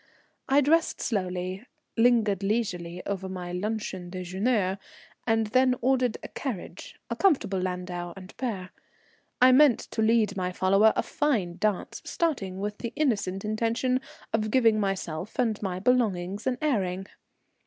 I dressed slowly, lingered leisurely over my luncheon déjeuner, and then ordered a carriage, a comfortable landau and pair. I meant to lead my follower a fine dance, starting with the innocent intention of giving myself and my belongings an airing.